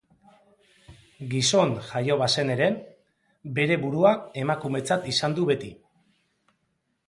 Gizon jaio bazen ere, bere burua emakumetzat izan du beti.